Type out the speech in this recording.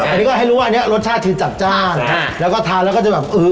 อันนี้ก็ให้รู้ว่าอันนี้รสชาติคือจัดจ้านแล้วก็ทานแล้วก็จะแบบเออ